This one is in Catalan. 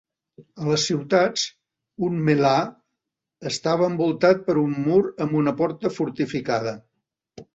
A les ciutats, un "mellah" estava envoltat per un mur amb una porta fortificada.